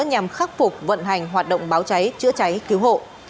nhằm khắc phục vận hành hoạt động báo cháy chữa cháy cứu hộ